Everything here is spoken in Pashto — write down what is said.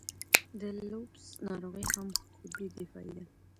د لوپس ناروغي هم خودي دفاعي ده.